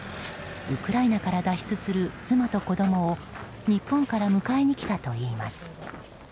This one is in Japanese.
ウクライナから脱出する妻と子供を日本から迎えに来たといいます。